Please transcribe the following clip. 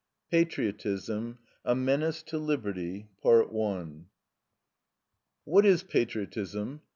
PATRIOTISM: A MENACE TO LIBERTY What is patriotism?